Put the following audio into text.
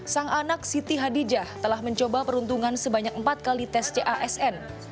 sang anak siti hadijah telah mencoba peruntungan sebanyak empat kali tes casn